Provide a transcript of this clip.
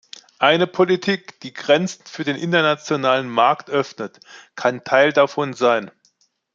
Eine Politik, die Grenzen für den internationalen Markt öffnet, kann Teil davon sein.